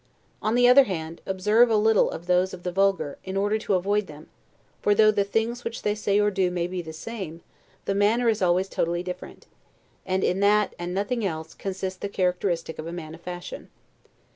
On the other hand, observe a little those of the vulgar, in order to avoid them: for though the things which they say or do may be the same, the manner is always totally different: and in that, and nothing else, consists the characteristic of a man of fashion.